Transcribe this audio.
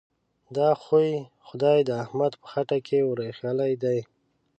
دا خوی؛ خدای د احمد په خټه کې ور اخښلی دی.